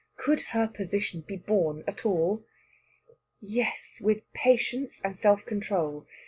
Could her position be borne at all? Yes, with patience and self control.